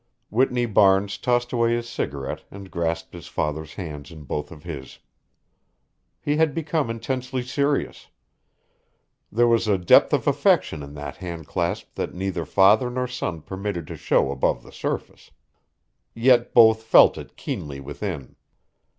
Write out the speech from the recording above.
Whitney Barnes tossed away his cigarette and grasped his father's hand in both of his. He had become intensely serious. There was a depth of affection in that handclasp that neither father nor son permitted to show above the surface. Yet both felt it keenly within.